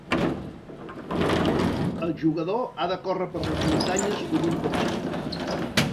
El jugador ha de córrer per les muntanyes collint petxines.